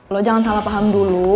lo jangan salah paham dulu